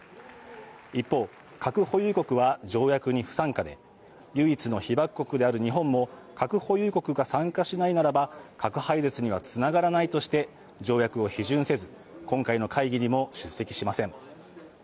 一方、核保有国は条約に不参加で唯一の被爆国である日本も核保有国が参加しないならば核廃絶にはつながらないとして条約を批准せず、今回の会議にも出席しません。